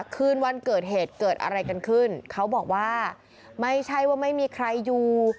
เขาบอกว่าไม่ใช่ว่าไม่มีใครอยู่